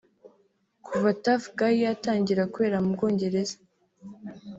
Kuva “Tough Guy” yatangira kubera mu Bwongereza